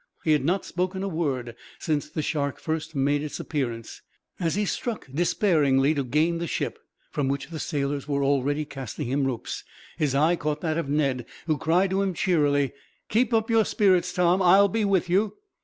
He had not spoken a word, since the shark first made its appearance. As he struck despairingly to gain the ship, from which the sailors were already casting him ropes, his eye caught that of Ned, who cried to him cheerily: "Keep up your spirits, Tom. I will be with you."